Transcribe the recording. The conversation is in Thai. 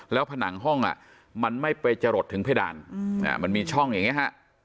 แล้วผนังห้องมันไม่ไปจรดถึงเพดานมันมีช่องอย่างนี้ฮะ